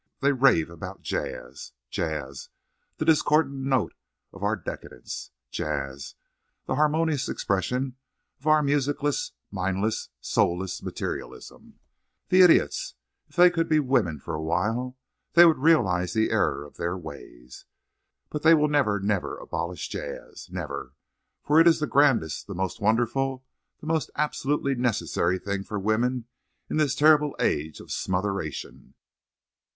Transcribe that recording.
They rave about jazz. Jazz—the discordant note of our decadence! Jazz—the harmonious expression of our musicless, mindless, soulless materialism!—The idiots! If they could be women for a while they would realize the error of their ways. But they will never, never abolish jazz—never, for it is the grandest, the most wonderful, the most absolutely necessary thing for women in this terrible age of smotheration."